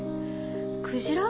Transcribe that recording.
クジラ？